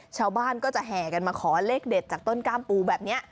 ชาวบ้านก็จะแห่กันมาขอเลขเด็ดจากต้นกล้ามปูแบบนี้